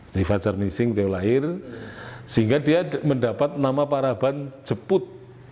jadi fajar menyingsing beliau lahir sehingga dia mendapat nama paraban jeput